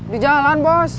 di jalan bos